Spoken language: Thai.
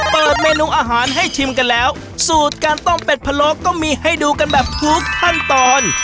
เปิดเมนูอาหารให้ชิมกันแล้วสูตรการต้มเป็ดพะโลก็มีให้ดูกันแบบทุกขั้นตอน